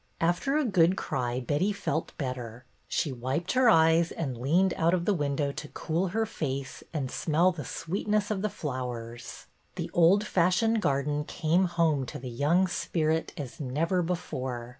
After a good cry Betty felt better. She wiped her eyes, and leaned out of the window to cool her face and smell the sweetness of the flowers. The old fashioned garden came home to the young spirit as never before.